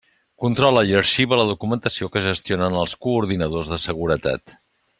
Controla i arxiva la documentació que gestionen els coordinadors de seguretat.